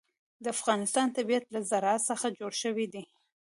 د افغانستان طبیعت له زراعت څخه جوړ شوی دی.